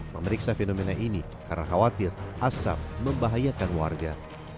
memeriksa fenomena ini karena khawatir asap membahayakan warga